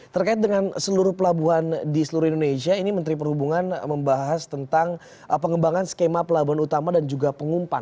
terkait dengan seluruh pelabuhan di seluruh indonesia ini menteri perhubungan membahas tentang pengembangan skema pelabuhan utama dan juga pengumpan